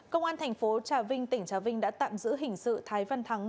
công an thành phố trà vinh tỉnh trà vinh đã tạm giữ hình sự thái văn thắng